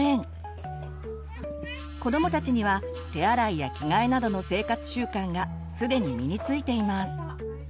子どもたちには手洗いや着替えなどの生活習慣がすでに身についています。